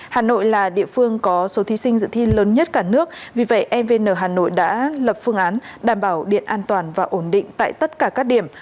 hà nội là địa phương có số thí sinh dự thi lớn nhất cả nước vì vậy evn hà nội đã lập phương án đảm bảo điện an toàn và ổn định tại tất cả các điểm